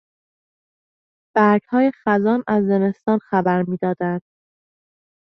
برگهای خزان از زمستان خبر میدادند.